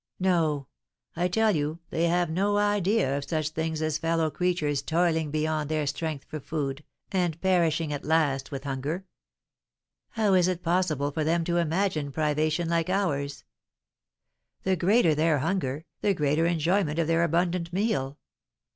No! I tell you, they have no idea of such things as fellow creatures toiling beyond their strength for food, and perishing at last with hunger! How is it possible for them to imagine privations like ours? The greater their hunger, the greater enjoyment of their abundant meal.